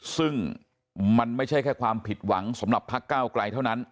ซึ่งมันไม่ใช่แค่ความผิดหวังสำหรับพักก้าวไกลเท่านั้น